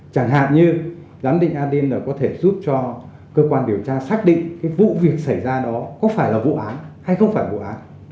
chẳng hạn như giám định adn là có thể giúp cho cơ quan điều tra xác định cái vụ việc xảy ra đó có phải là vụ án hay không phải vụ án